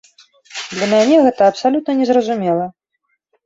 Для мяне гэта абсалютна не зразумела.